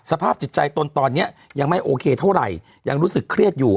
สภาพจิตใจตนตอนนี้ยังไม่โอเคเท่าไหร่ยังรู้สึกเครียดอยู่